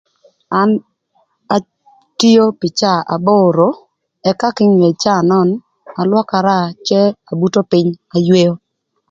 An atio pï caa aboro ëka kinge caa nön alwökara cë abuto pïny ayweo